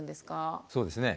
そうですね。